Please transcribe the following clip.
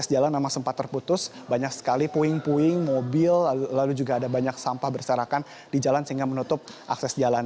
jalan memang sempat terputus banyak sekali puing puing mobil lalu juga ada banyak sampah berserakan di jalan sehingga menutup akses jalan